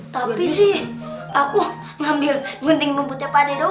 tapi sih aku ngambil gunting rumputnya pade dong